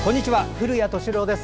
古谷敏郎です。